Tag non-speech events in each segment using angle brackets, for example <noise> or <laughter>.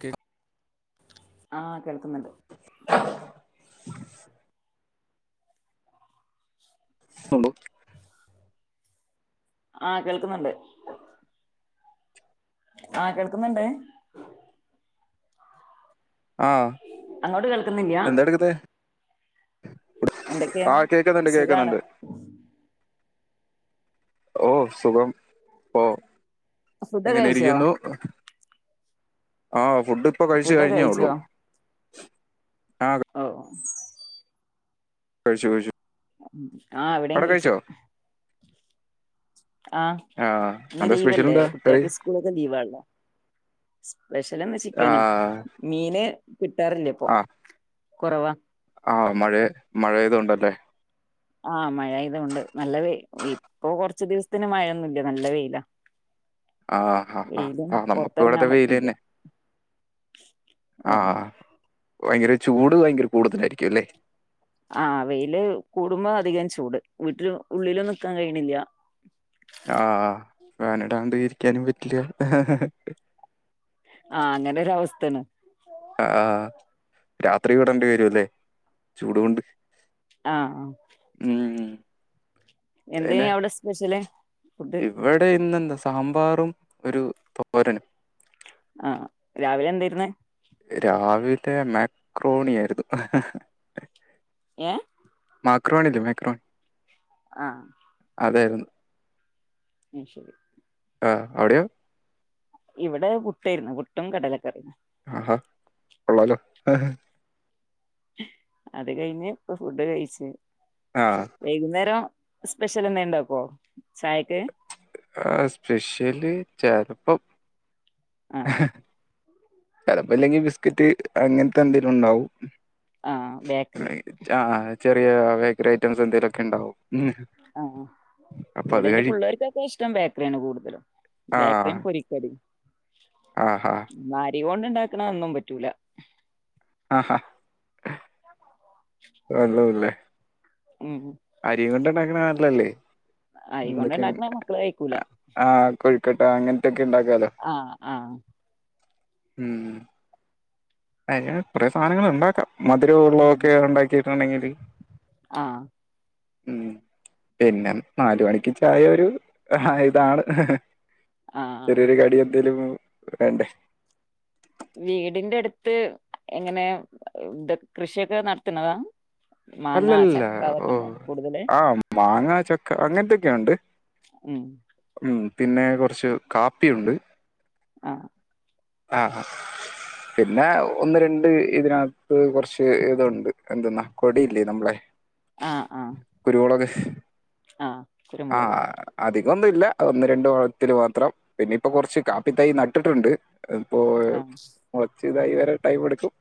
Cake ആ കേള് ക്ന്ന്ണ്ട് ഉള്ളൂ ആ കേൾക്കുന്നുണ്ട് ആ കേൾക്കുന്നുണ്ടോ ആ അങ്ങോട്ട് കേൾക്കുനില്യ എന്തൊക്കെ ആഹ് കേക്കുന്നുണ്ട് സുഖാണ് കേക്കുന്നുണ്ട് ഓ സുഖം ഓ ഫുഡൊക്കെ ഇങ്ങനെ കഴിച്ചോ ഇരിക്കുന്നു ആ ഫുഡ് ഇപ്പൊ കഴിച്ചു ഫുഡൊക്കെ കഴിഞ്ഞേ ഉള്ളൂ കഴിച്ചോ ഓ കുഴിച്ചു കുിച്ചു ആ ഇവിടെയും കഴിച്ച് ആ ആഹ് ഇന്ന് എന്താ സ്പെഷ്യൽ ലീവല്ലേ എന്താ കറി കുട്ടികൾക്ക് സ്കൂളൊക്കെ ലീവ് ആണലോ വെഷൽ ഇന്ന് ചിക്കനാ ആഹ് മീന് കിട്ടാറില്ലാ ഇപ്പൊ കുറവാ ആ മഴെ മഴആയത്കൊണ്ടല്ലെ ആ മഴ ആയത് കൊണ്ട് നല്ല വെയ് ഇപ്പൊ കൊറച്ചു ദിവസത്തിന് മഴയൊന്നുമില്ലാ നല്ല വെയില- ആ ആ നമ്മുക്ക് ഇവിടത്തെ വെയില് പറ്റുന്നില്ല തന്നെ ഓ ആഹ വയങ്കര ചൂട് വയങ്കര കൂടുതലായിരിക്കും അല്ലെ അ വെയിൽ കൂടുമ്പോ അധികം ചൂട് വീട്ടില് ഉള്ളിലും നിക്കാൻ കഴിയണില്ല ആ ഫാൻ ഇടാണ്ട് ഇരിക്കാനും പറ്റില്ല ആ അങ്ങനൊരു അവസ്ഥയാണ് അ രാത്രി ഇടണ്ടി വരും ല്ലേ ചൂട്കൊണ്ട് ആ ആ പിന്നെ എന്തേയ്ന് അവിടെ സ്പെഷ്യല് ഫുഡ് ഇവിടെ ഇന്നെന്താ സാമ്പാറും ഒരു തോരനും ആ രാവിലെ എന്തായിര്ന്ന്‌ രാവിലെ മക്രോണിയായിരുന്നു ഹ് ഹ് ഹ് ഏ മാക്രോണി ഇല്ലെ മേക്രോൺ ആ അതായിരുന്നു അത് ശരി ആ അവിടെയോ ഇവിടെ പുട്ടായിരുന്നു പുട്ടും കടലക്കറീം ആ കൊള്ളാലോ എ അത് കഴിഞ്ഞ് ഇപ്പൊ ഫുഡ്‌ കയിച്ച് ആ വൈകുന്നേരം സ്പെഷ്യൽ എന്തേം ഇണ്ടാക്കോ ചായക്ക് അഹ് സ്പെഷ്യല് ചെലപ്പം ആഹ് എഹ് ചെലപ്പോ ഇല്ലെങ്കി ബിസ്ക്കറ്റ് അങ്ങനത്തെ എന്തേലും ഉണ്ടാവും ആഹ് ബേക്കറി വൈകിട്ട് ആ ചെലപ്പ ബെ അഹ് ബേക്കറി ഐറ്റംസ് എന്തേലും ഒക്കെ ഇണ്ടാവും ആഹ് ഇവിടെ എന്റെ കഴിക്കും. പുള്ളേർക്കൊക്കെ ഇഷ്ടം ബേക്കറിയാണ് കൂടുതലും ബേക്കറിയും പൊരിക്കടീം ആഹ് ആഹ് <unintelligible> കൊണ്ട് ഉണ്ടാക്കണ ഒന്നും പറ്റൂല ആഹാ <unintelligible> ഉം അരിയും കൊണ്ടിണ്ടാ ക്ക്‌ണതല്ലല്ലെ അരികൊണ്ട്ണ്ടാക്കണ മക്കള് കഴിക്കൂല ക്കട്ട അങ്ങനത്തെ ഒക്കെ ഉണ്ടാക്കാലോ. ആഹ് ആഹ് ഉം അങ്ങനെ കുറേ സാധനങ്ങൾ ഇണ്ടാക്കാം ഉം മധുരവുള്ളതൊക്കെ ഉണ്ടാക്കിട്ടുണ്ടെങ്കില് ആഹ് ഉം പിന്നെ നാല് മണിക്ക് ചായ ഒരു ആഹ് ഇതാണ് ആഹ് ചെറിയൊരു കടി എന്തേലും വേണ്ടേ വീടിന്റെ അടുത്ത് എങ്ങനെ ഇത് കൃഷിയൊക്കെ നടത്ത്ണതാ അല്ലല്ല ഓ കൂടുതല് ആ മാങ്ങ ചക്ക അങ്ങനത്തെക്കെയൊണ്ട് ഉം ഉം പിന്നെ കൊറച്ച് കാപ്പിയുണ്ട് ആ ആഹാ പിന്നെ ഒന്ന് രണ്ട് ഇതിനാത്ത് കൊറച്ച് ഇതൊണ്ട് എന്തെന്നാ കൊടിയില്ലേ നമ്മളെ ആഹ് കുരുവൊളക് ആ ആ അതെ അധികം ഒന്നുല്ല ഒന്ന് രണ്ട് കുടത്തിൽ മാത്രം പിന്നെ ഇപ്പ കൊറച്ച് കാപ്പിത്തൈ നട്ടിട്ടുണ്ട് ഇപ്പോ ആഹ് ഇതായിവരാൻ ടൈം എടുക്കും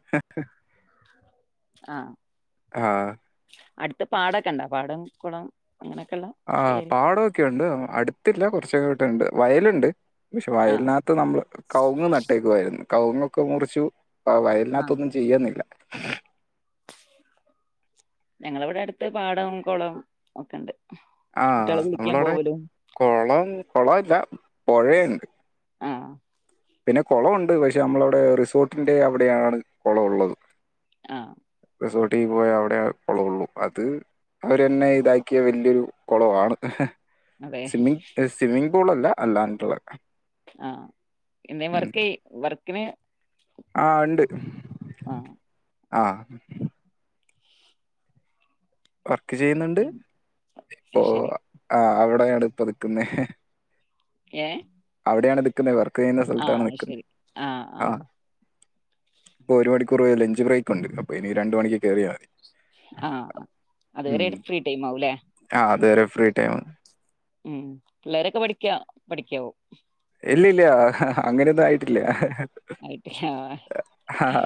ആ അട്ത്ത് പാടാക്കെണ്ടാ പാടം കുളം? അങ്ങനെയൊക്കെള്ള ആ ഏരി പാടൊക്കെയുണ്ട് അടുത്തില്ല കുറച്ചകലോട്ട്ണ്ട് വയല്ണ്ട് പഷെ ആഹ് വയലിനാത്ത് നമ്മള് കവുങ്ങ് നട്ടേക്കുവായിരുന്ന്. കവുങ്ങൊക്കെ മുറിച്ചു. പ്പ ആഹ് വയലിനാത്തൊന്നും ചെയ്യ്ന്നില്ല. ഞങ്ങളിവിടെ അടുത്ത് പാടം കൊളം ഒക്കെണ്ട്. ആ നമ്മളവിടെ കൊളം കൊളല്ല പൊഴയുണ്ട്. ആഹ് പിന്നെ കൊളൊണ്ട് പശെ നമ്മളാവിടെ റിസോർട്ടിന്റെ അവിടെയാണ് കൊളം ഒള്ളത്. ആഹ് റിസോർട്ടി പോയാ അവിട കൊളൊള്ളു അത് അവരന്നെ ഇതാക്കിയ വെല്ല്യോരു കൊളവാണ്. അതെ സ്വിമ്മിംഗ് ഏ സ്വിമ്മിംഗ് പൂളല്ല അല്ലാണ്ടുള്ളെ. ആ എന്തേം വർക്കെ വർ കൻ <unintelligible> ആ ണ്ട്. ആ ആ <unintelligible> ക്ക്‌ചെയ്യ്ന്ന്ണ്ട് പ്പോ ശരി ആ അവ് <unintelligible> ഏ? ടെയാണ് <unintelligible> വെക്കുന്നെ ആഹ് ആ ആഹ് <unintelligible> ഇപ്പൊ ഒരുണിക്കൂർ വരെ ലെഞ്ച് ബ്രേക്കുണ്ട് അപ്പ ഇനി രണ്ട് മണിക്ക് കേറിയ മതി. ആ അത് വരെ ഇട ഫ്രീ ടൈം ആവുല്ലെ വേറെ ഫ്രീ ടൈമ് ഉംപിള്ളേരെക്കെ പഠിക്ക പഠിക്കാവു ഇല്ല ഇല്ല അങ്ങനെയൊന്നു ആയിട്ടില്ല ഹ ഹ ഹെ <unintelligible> ന്റെ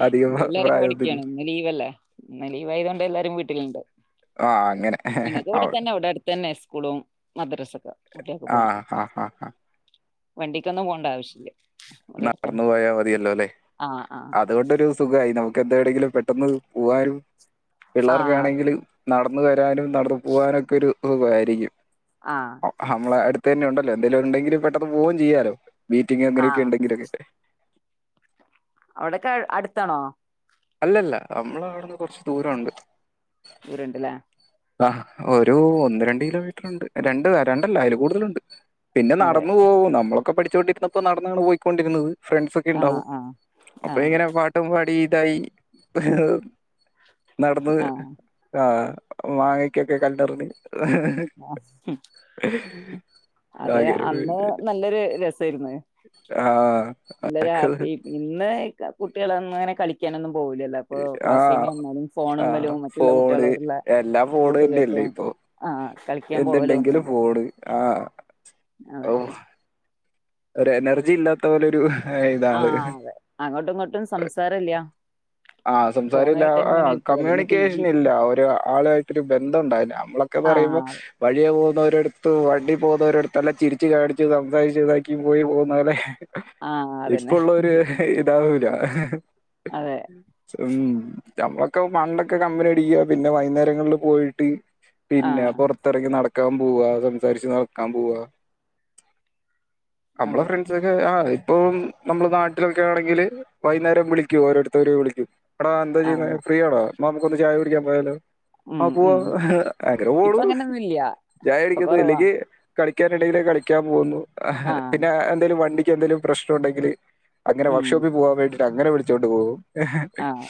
അധികം പ്രാ- പിള്ളേരെക്കെ പ്രായമൊന്നുമില്ല പഠിക്കാണ് ഇന്ന് ലീവ് അല്ലെ ഇന്ന് ലീവായതോണ്ട് എല്ലാരും വീട്ടിലിണ്ട് ആ അങ്ങനെ നി ങ്ങക്ക് ഇവിടെ അവ- തന്നെ ഇവിടെ അട്തെന്നെ സ്കൂളും മദ്രസൊക്കെ കുട്ടിയെൾക്ക് ആ പോണെ ആ ആ ആ വണ്ടിക്കൊന്നും പോണ്ടാവശ്യയില്ല വിടാട്തന്നെ പോയാമതിയല്ലോല്ലേ എന്തെ എടെങ്കിലും പെട്ടെന്ന് പോവായോ ആഹ് ആഹ് പിള്ളേർക്കാണെങ്കില് നട നമ്മള് വരാനും നടന്ന് പോവാനൊക്കെ ഒരു <unintelligible> അതെ ആഹ് അമ്മളെ അട്‌ തന്നെ ഉണ്ടല്ലൊ എന്തെലും ഉണ്ടെങ്കിൽ പെട്ടെന്ന് പോവും ചെയ്യാല്ലോ മീറ്റിംഗ് ആഹ് <unintelligible> <unintelligible> അവ്ടക്കെ അട്‌ത്താണോ അല്ലല്ല നമ്മള ഇവ്ട്ന്ന് കൊറച്ച് ദൂരൊ ണ്ട് ദൂരണ്ട്ല്ലെ ആ ഒരു ഒന്ന് രണ്ട് കിലോമീറ്ററ് ഉണ്ട് രണ്ട് രണ്ടല്ല അയില് കൂടുതല്ണ്ട് പിന്നെ അതെ നടന്നു പോവു നമ്മള് ഇപ്പ പഠിച്ചോണ്ടിര്ന്നപ്പ നടന്നാണ് പോയിക്കൊണ്ടിര്ന്നത് ഫ്രണ്ട്സ ഒക്കെ ആഹ് ഇണ്ടാവും ആഹ് അപ്പൊ ആഹ് ങ്ങനെ പാട്ടും പാടി ഇണ്ടായി <unintelligible> നടന്ന് ആഹ് ആ ഓ മാങ്ങക്കൊക്കെ കല്ലെറിഞ്ഞ് അതെ അങ്ങനെ അന്ന് പോയിട്ട്. നല്ലൊരു രസെയിര്ന്ന് ആ എല്ലൊരു അതൊക്കെ ഹാപ്പി ഇന്ന് <unintelligible> കുട്ടികളൊന്ന് അങ്ങനെ കളിക്കാനെന്നും ആ ആ ഫോണുമ്മലും മറ്റുള്ള ഫോണ് കുട്ടികളോടുള്ള എല്ലാ ഫോണ്ന്നെല്ലെ കൂട്ടുകെട്ടും ഇപ്പൊ ആഹ് കളിക്കാൻ പോവലും എന്ത്‌ണ്ടെങ്കിലും ഒന്നുല്ല ഫോണ് ആ ഓ അതെ ഒരു എനർജി ഇല്ലാത്ത പോലെ ഒരു ആ ഇതാണ് അതെ അങ്ങട്ടും ഇങ്ങട്ടും സംസാര ഇല്ല ആഹ സംസാരില്ല ആഹ അല്ലെങ്കിൽ ടി കമ്മ്യൂണിക്കേഷൻ വി ഇല്ല ഒരു ആളാ യിട്ടു ഒരു ബന്ധമുണ്ടായിന് നമ്മളൊക്കെ പറയുമ്പോ ആഹ് വഴിയ പോ ഇ ഒരിടടുത്ത് വണ്ടി പോകുന്ന ഒരിടുത്ത്ല്ലാം ചിരിച്ച്ു കാണിച്ചു സംസാരിച്ചച്ച് ഇതാക്കി പോയി പോകുന്നലെ ആഹ് അതന്നെ ഇപ്പള്ളൊരു ഉണ്ടാവൂല അതെ ഉം ഞളൊക്കെ പണ്ടൊക്കെ കമ്പിന അടിക്കുക പിന്നെ വൈകുന്നേരങ്ങളിൽ പോയിട്ട് പിന്നെ ആഹ് പുറത്തിറക്കി നട വക്കാൻ പോവ സംസാരിച്ച വക്കാൻ പോവാ നമ്മളെ അതെ ഫ്രണ്ട്സ ഒക്കെ ആ ഇപ്പോൾ നമ്മൾ നാട്ടിലൊക്കെ ആണെങ്കിൽ വൈകുന്നേരം വിളിക്കും ഓരോരു ത്തര് വിളിക്കും. എടാ എന്താ ചെയ്യുന്നേ ആഹ് ഫ്രീ ആണോ എന്ന നമ്മുക്ക് ഒന്ന് ചായ് കുടിക്കാൻ പോയാലോ? ആ ഉം പൂവാ ഉം അങ്ങനെ ഇപ്പൊ പോണു അങ്ങനൊന്നുംല്ല ഇപ്പൊ <unintelligible> കൊറവാ ഇല്ലെങ്കി കളിക്കാനിടെങ്കിൽ കളിക്കാൻ പോകുന്നു. അ ഹ ആഹ് പിന്നെ എന്തേലും വണ്ടി ക്ക് എന്തേലും പ്രശ്നം ഉണ്ടെങ്കില് അങ്ങനെ ഉം വർക്ക്ഷോപ്പിൽ പോവാൻ വേണ്ടി അങ്ങനെ വിളിച്ചോണ്ട് പോകും. ആഹ്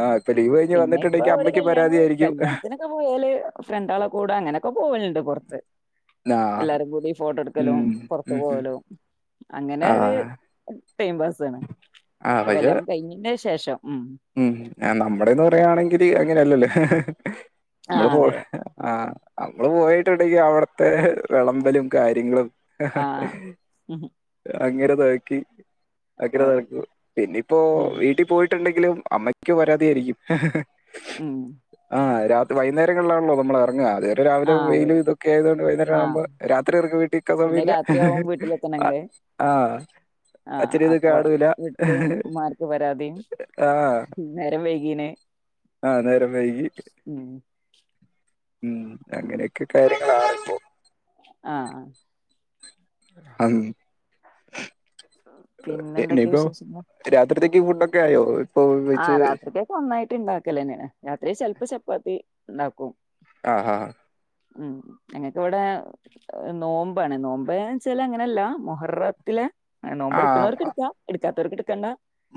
ആ ഇപ്പൊ ലീവ് കഴിഞ്ഞ് പിന്നെ ഇപ്പോ വന്നിട്ടുണ്ടെങ്കി ഒരു അമ്മയ്ക്ക് കല്യാണ പരാതിയായിരിക്കും കല്യാണത്തിനൊക്കെ പോയാല് ഫ്രണ്ടാളെ കൂടെ അങ്ങനെയൊക്കെ പോവലുണ്ട് പുറത്ത് ആ എല്ലാരും കൂടി ഫോട്ടോ എടുക്കലും ഉം പോറത്ത് ഉം ഉം പോവലും അങ്ങനെ ആ ഒരു ടൈം പാസ് ആണ് ആ അപ്പോ പക്ഷെ കല്യാണം കഴിഞ്ഞിന്റേഷം ശേഷം. ഉം ഉം നമ്മുടെന്ന് പറയുകയാണെങ്കിൽ അങ്ങനെയല്ലല്ലേ. ആ നമ്മളപ്പോ അതെ <unintelligible> ആഹ് നമ്മള് പോയിട്ടുണ്ടെങ്കി അവിടത്തെ വെളമ്പലും കാര്യങ്ങളും ആഹ് അങ്ങരെതാക്കി അംഗനെ നടക്കും. പിന്ന ഇപ്പോ ഉം വീട്ടിൽ പോയിട്ട് ഇണ്ടെ ങ്കിലും അമ്മയ്ക്ക് പരാതിയായിരിക്കും. ഉം ആഹ് രാത് വൈുന്നരങ്ങളിലാണല്ലോ നമ്മൾ എറ ങ്ങാ. അതേരം രാവിലെ ആ അതെ വെയിലും ഇതൊക്കെ ആയതോണ്ട് ആ വൈന്നേരവുമ്പോ രാത്രി എറങ്ങാ വീട്ടില്ക്കാൻ പിന്നെ സമയവില്ല. രാത്രിയാവും വീട്ടിലെത്തണെങ്കില് ആഹ്. ആ അഛനെയൊന്നും അപ്പൊ കാണൂല്ല. വീട്ടില് ഉമ്മാർക്ക് പരാതിയും ആഹ് നേരം വൈകീന്. നേരം വൈകി ഉം അങ്ങനെയൊക്കെ കാര്യങ്ങളാണ് ഇപ്പോ. ആ അങ് പിന്നെന്തൊക്കെയാ ഇനീപ്പം വിശേഷങ്ങൾ രാത്രിത്തേക്ക് ഫുഡൊ ക്കായോ? ആ രാത്രിക്കേക്ക് ഒന്നായിട്ട് ഉണ്ടാക്കലന്നേ ണ്. രാത്രിയിൽ ചെൽപ്പം ചപ്പാത്തി ണ്ടാക്കും അ ആ ഉം ഞങ്ങക്കിവിടെ നോമ്പാണ് നോമ്പ് ന്നെച്ചാ അങ്ങനല്ല മുഹറത്തിലെ ആ നോമ്പ് ഇടുക്ക്നോര്ക്ക് ഇട്ക്ക ഇട് റ്റാത്തോര്ക്ക് ഇട്ക്കണ്ട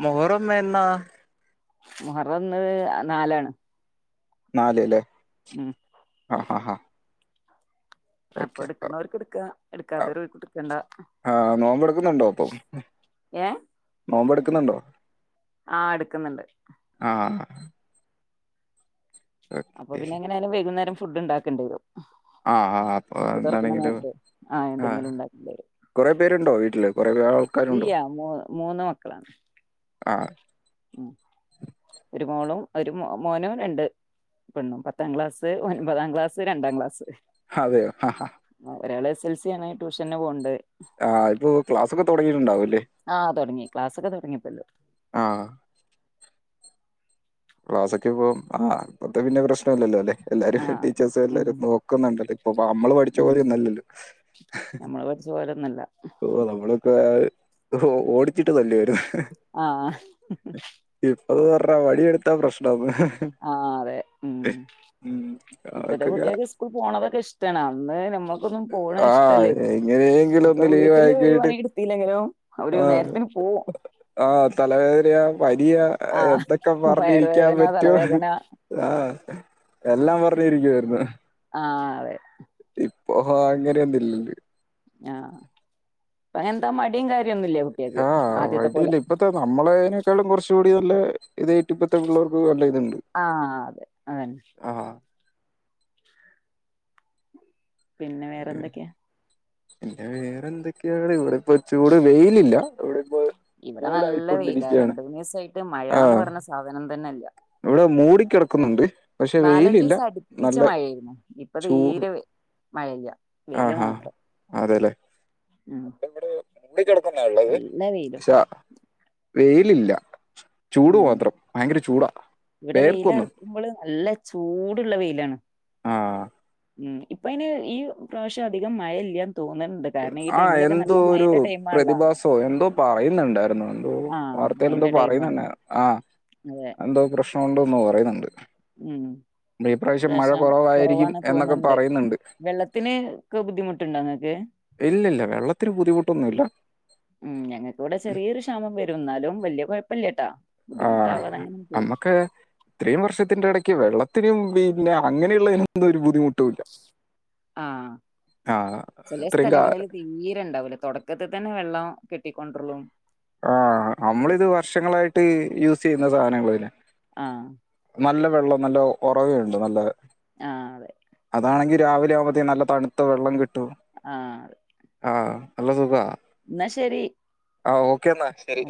മുഹറമെന്ന മുഹറം ഇന്ന് നാലാണ് നാല് ലെ ഉം ആ ആ അപ്പൊ ഓക്കെ ഇട്ക്ക്നോര്ക്ക് ഇട്ക്ക ഇട്ക്കാത്തോര് ആ നോമ്പെടുക്കുന്നുണ്ടോ അപ്പൊ <unintelligible> എ ക്ക്ന്ന്‌ണ്ടോ ആ ഇട്ക്ക്ന്ന്ണ്ട് അപ്പൊ ഓക്കെ പിന്നെ എങ്ങനായാലും വൈകുന്നേരം ഫുഡ്‌ ഇണ്ടാക്കണ്ടി വെരും ആ ആ എന്താണെങ്കിലും നേരത്ത് ആ എന്തെങ്കിലും ഉണ്ടാക്കേണ്ടി വരും കൊറേ പേരുണ്ടോ വീട്ടില് കൊറേ ആൾക്കാരുണ്ടോ ഇല്ല മൂ മൂന്ന് മക്കളാണ് ആ ഒരു മോളും ഒരു മോനും രണ്ട് പെണ്ണും പത്താം ക്ലാസ്സ്‌ ഒമ്പതാം ക്ലാസ്സ്‌ രണ്ടാ ക്ലാസ്സ്‌ അതെയോ ഹ ഹ ഒരാള് എസെൽ സി ആണ് ട്യൂഷന് പോവ്ണ്ട് ആ ഇപ്പോ ക്ലാസ്സൊക്കെ തൊ ടങ്ങീണ്ടാവും ആ തൊടങ്ങി ക്ലാസ്സൊക്കെ തൊടങ്ങീട്ട് ണ്ട് ആ ക്ലാസ്സൊക്കെ <unintelligible> പ്രശ്നല്ലല്ലോ ലെ എല്ലാരും ആഹ് ടീച്ചേർസ് ഉം എല്ലാരും നോക്ക് ന്ന്ണ്ടല്ലേ പ്പോ നമ്മള് പഠിച്ച ഉം പോലൊന്നല്ലല്ലോ നമ്മള് പഠിച്ച പോലൊന്നല്ല ഓ നമ്മള് ഇപ്പൊ അത് ഓടി ആഹ് <unintelligible> അത് പറ വടിയ എടുത്താ പ്രശ്നം ഹ് ആ അതെ ഉം ഉം ഇപ്പത്തെ അതൊക്കെ കുട്ട്യാക്ക് സ്കൂൾ പോണതൊക്കെ ഇഷ്ടാണ് അന്ന് നമ്മൾക്കൊന്നും പോണെ ആഹ് ഇഷ്ടല്ലേരുന്നു എങ്ങനെയെങ്കിലും പ്പൊ ഒന്ന് ലീവ് വീട്ടില് ആക്കിയിട്ട് ഒരുപണി ഇട്ത്തില്ലെങ്കിലും അവര് ആഹ് നേരത്തിന് പോവും എ പനിയ ആഹ് എന്തൊക്കെ പറഞ്ഞിരിക്കാൻ വയറുവേദന പറ്റോ തലവേദന ആ എല്ലാം പറഞ്ഞിരിക്കുവായിരുന്നു ആഹ് അതെ ഓ അങ്ങനെയൊന്നും ഇല്ലടി അ ന്താ മടി കാര് ആ മടിയില്ല ഇപ്പത്തെ നമ്മളേേക്കാളും കൊറച്ച് നല്ല ഇതറ്റ ഇപ്പഴത്തെള്ളവർക്ക്ല്ല ആ അതെ അതന്നെ ആഹ് പിന്നെ വേറെന്തൊക്കെയാ പിന്നെ വേറെന്തൊക്കെയാണ് ഇവിടെ ഇപ്പൊ ചൂട് വെയിലില്ല എവിടെ ഇവിടെ നല്ല വെയില രണ്ടു മൂന്ന് ദിവസായിട്ട് മഴാന്ന് ആഹ് പറയണ സാധനം തന്നെയില്ല ഇവിടെ മൂടിക്കിടക്കുന്നുണ്ട് പക്ഷെ നാലഞ്ചു വെയിലില്ല ദിവസം അടുപ്പിച്ച് നല്ല മഴയായിരുന്നു ഇപ്പൊ ചൂട് തീരെ മഴയില്ല വെയില് ആഹാ മാത്രം അതെല്ലേ ഉം അടെ ഇവിടെ മൂടി കിടക്കുന്നാ ഉള്ളത് നല്ല വെയിലും വെയിലില്ല ചൂട് ഉം മാത്രം ഭയങ്കര ചൂടാ ഇവിടെ വെയില പേർക്കൊന്നും ഇറക്കുമ്പോൾ നല്ല ചൂടുള്ള വെയിലാണ് ഉം ആ ഉം ഇപ്പ അതിന് ഈ പ്രാവശ്യം അധികം മഴ ഇല്ല ആ എന്തോ ഒരു ടൈമാണല്ലോ പ്രതിഭാസോ എന്തോ പറയുന്നുണ്ടായിരുന്നു എന്തോ ആഹ് വാർത്തേൽ എന്തോ മഴന്റെ ടൈമാണ് പറയുന്നുണ്ടായി ആ അതെ എന്തോ പ്രശ്നം സൗണ്ട് ഒന്ന് പറയുന്നുണ്ട് ഉം ഈ പ്രാവശ്യം മഴ വശം കുറവായിരിക്കും കുറവാണ് എന്നൊക്കെ തോന്നുന്നുണ്ട് പറയുന്നുണ്ട് വെള്ളത്തിന് ഒക്കെ ബുദ്ധിമുട്ടുണ്ടോ നിങ്ങൾക്ക് ഇല്ല ഇല്ല വെള്ളത്തിന് ബുദ്ധിമുട്ടൊന്നും ഇല്ല ഉം ഞങ്ങൾക്കുവിടെ ചെറിയൊരു ക്ഷാമം വരും എന്നാലും വലിയ കുഴ പല്ലേട്ടാ ആ നമ്മക്ക് ഇത്രയും വർഷത്തിന്റെ ഇടയ്ക്ക് വെള്ള ഇത്തിരിയും പിന്നെ അങ്ങനെയുള്ള കാര്യത്തിലും ഒരു ബുദ്ധിമുട്ട ആ ആ ചില ഇത്രയും കാ സ്ഥലങ്ങളില് തീരെ ഉണ്ടാവൂല തുടക്കത്തിൽ തന്നെ വെള്ളം കെട്ടി കൊണ്ട്രോളും ആ നമ്മളിത് വർഷങ്ങളായിട്ട് യൂസ് ചെയ്യു ന്ന സാധനങ്ങൾ തന്നെ ആ നല്ല വെള്ളം നല്ല ഉറവേണ്ട് നല്ല ആഹ് അതെ അതാണെങ്കിൽ രാവിലെ ആവുമ്പത്തേ നല്ല തണുത്ത വെള്ളം കി ആ നല്ല സുഖാ എന്നാ ശെരി ഓക്കെ എന്നാ ആ ശരി